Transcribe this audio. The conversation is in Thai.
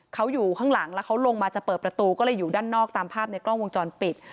เขาอยู่ข้างหลังแล้วเขาลงมาจะเปิดประตูก็เลยอยู่ด้านนอกตามภาพในกล้องวงจรปิด